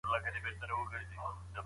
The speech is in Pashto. هغې د حقوقو برخه لوستې ده.